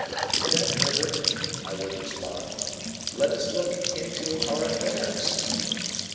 "Then, Herbert," I would respond, "let us look into our affairs."